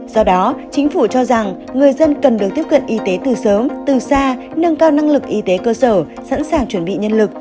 do đó chính phủ cho rằng người dân cần được tiếp cận y tế từ sớm từ xa nâng cao năng lực y tế cơ sở sẵn sàng chuẩn bị nhân lực